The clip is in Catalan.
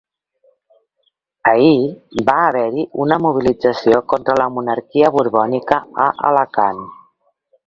Ahir va haver-hi una mobilització contra la monarquia borbònica a Alacant.